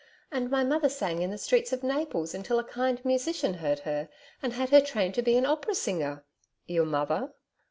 And my mother sang in the streets of Naples until a kind musician heard her and had her trained to be a opera singer.' 'Your mother?'